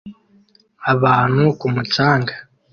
Abantu ku mucanga